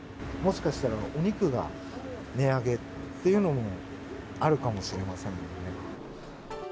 もしかしたら、お肉が値上げっていうのもあるかもしれませんのでね。